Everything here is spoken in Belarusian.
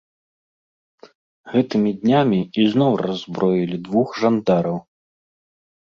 Гэтымі днямі ізноў раззброілі двух жандараў.